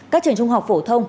các trường trung học phổ thông